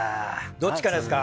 どっちからですか？